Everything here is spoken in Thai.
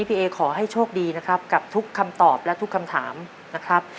พี่เอขอให้โชคดีนะครับกับทุกคำตอบและทุกคำถามนะครับ